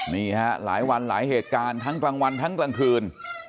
นี่ฮะหลายวันหลายเหตุการณ์ทั้งกลางวันทั้งกลางคืน